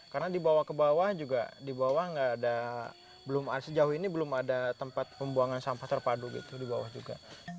karena di bawah ke bawah juga di bawah gak ada sejauh ini belum ada tempat pembuangan sampah terpadu gitu di bawah juga